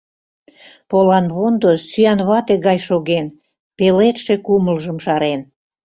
Поланвондо сӱанвате гай шоген, Пеледше кумылжым шарен.